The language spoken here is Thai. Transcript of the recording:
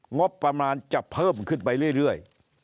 งบประมาณจะเพิ่มขึ้นไปเรื่อย